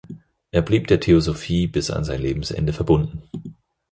Er blieb der Theosophie bis an sein Lebensende verbunden.